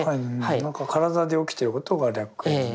何か体で起きてることが歴縁で。